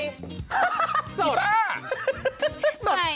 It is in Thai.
สวัสดีค่ะข้าวไทยไทย